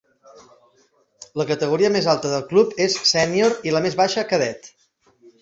La categoria més alta del club és sènior i la més baixa cadet.